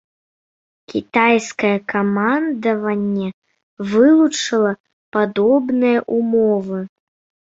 Кітайскае камандаванне вылучала падобныя ўмовы.